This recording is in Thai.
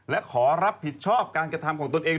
และขอรับผิดชอบการกระทำของตนเอง